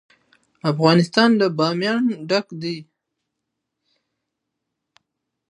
افغانستان له بامیان ډک دی.